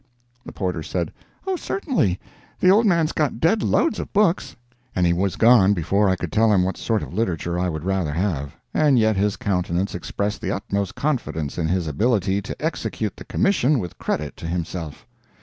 The porter said, "Oh, certainly; the old man's got dead loads of books;" and he was gone before I could tell him what sort of literature I would rather have. And yet his countenance expressed the utmost confidence in his ability to execute the commission with credit to himself.